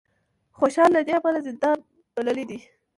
خوشال له دې امله زندان بللی دی